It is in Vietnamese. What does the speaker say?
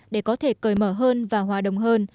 để có thể cởi mở hơn và hòa đồng hơn